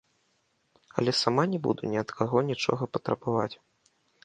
Але сама не буду ні ад каго нічога патрабаваць.